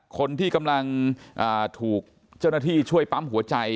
คนที่กำลังถูกเจ้าหน้าที่ช่วยปั๊มหัวใจ